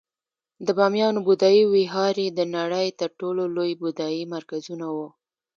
د بامیانو بودایي ویهارې د نړۍ تر ټولو لوی بودایي مرکزونه وو